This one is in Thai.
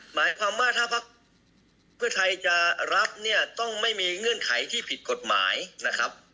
หมายความว่าถ้าพักเพื่อไทยจะรับเนี่ยต้องไม่มีเงื่อนไขที่ผิดกฎหมายนะครับ